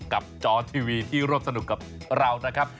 กับจอร์ททีวีที่รอบสนุกกับเรานะครับ